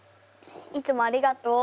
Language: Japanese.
いつもありがとう。